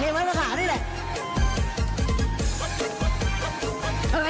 เห็นไหมวะหาด้วยละ